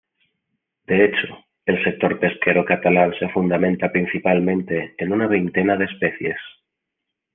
De hecho, el sector pesquero catalán se fundamenta principalmente en una veintena de especies.